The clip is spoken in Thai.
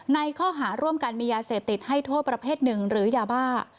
ในข้อหาร่วมกันมียาเสพติดให้โทษประเภทหนึ่งหรือยาบ้า